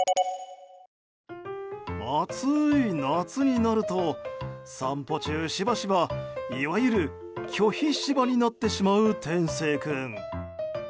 暑い夏になると散歩中、しばしばいわゆる拒否柴になってしまう天征君。